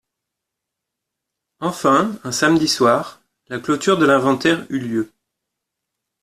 Enfin, un samedi soir, la clôture de l’inventaire eut lieu.